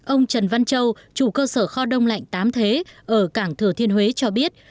ông trần văn châu chủ cơ sở kho đông lạnh tám thế ở cảng thừa thiên huế cho biết